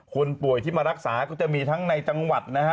คนป่วยที่มารักษาก็จะมีทั้งในจังหวัดนะฮะ